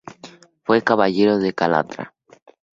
Fue caballero de Calatrava.